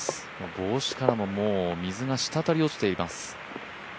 帽子からももう水がしたたり落ちています。